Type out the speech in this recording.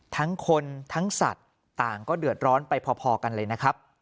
ทั้งคนทั้งสัตว์ต่างก็เดือดร้อนไปพอกันเลยนะครับ